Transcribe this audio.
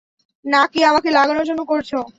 নাকি আমাকে লাগানোর জন্য করছ?